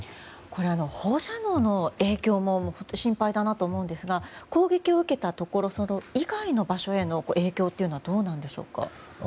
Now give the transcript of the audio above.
これ、放射能の影響も本当に心配だなと思うんですが攻撃を受けたところそこ以外の場所の影響はどうなんでしょうか。